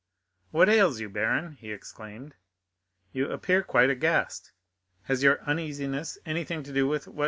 "What ails you, baron?" he exclaimed. "You appear quite aghast. Has your uneasiness anything to do with what M.